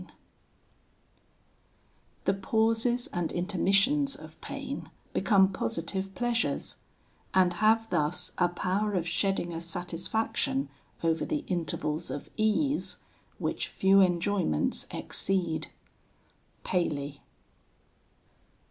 XII The pauses and intermissions of pain become positive pleasures; and have thus a power of shedding a satisfaction over the intervals of ease, which few enjoyments exceed. PALEY.